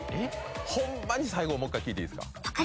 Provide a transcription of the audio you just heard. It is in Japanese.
ほんまに最後もう１回聴いていいですか？